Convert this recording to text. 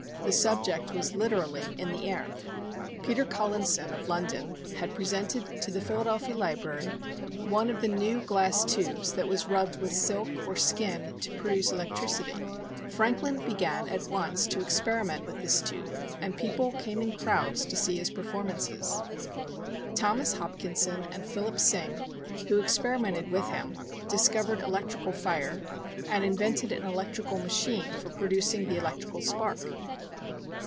The subject was literally "in the air." Peter Collinson, of London, had presented to the Philadelphia Library one of the new glass tubes that was rubbed with silk or skin to produce electricity. Franklin began at once to experiment with this tube, and people came in crowds to see his performances. Thomas Hopkinson and Philip Syng, who experimented with him, discovered electrical fire, and invented an electrical machine for producing the electrical spark.